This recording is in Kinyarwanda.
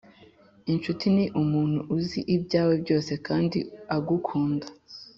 “incuti ni umuntu uzi ibyawe byose kandi agukunda.”